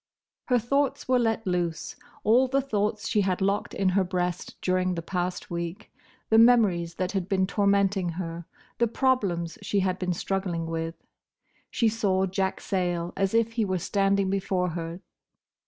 Her thoughts were let loose: all the thoughts she had locked in her breast during the past week, the memories that had been tormenting her, the problems she had been struggling with. She saw Jack Sayle as if he were standing before her.